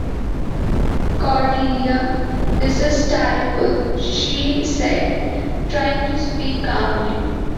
“Cordelia, this is terrible,” she said, trying to speak calmly.